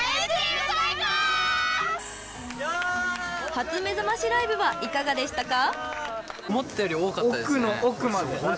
［初めざましライブはいかがでしたか？］